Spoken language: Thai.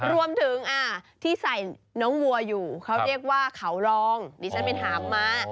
รวมถึงที่ใส่น้องวัวอยู่เขาเรียกว่าเขารองดิฉันเป็นหาบม้า